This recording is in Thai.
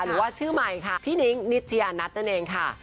หรือว่าชื่อใหม่ค่ะพี่นิ้งนิชยานัทนั่นเองค่ะ